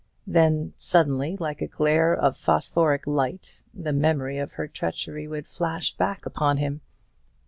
Then suddenly, like a glare of phosphoric light, the memory of her treachery would flash back upon him.